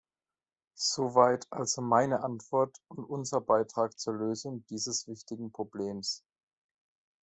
Soweit also meine Antwort und unser Beitrag zur Lösung dieses wichtigen Problems.